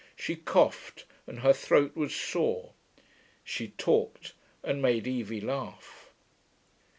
She coughed, and her throat was sore. She talked, and made Evie laugh.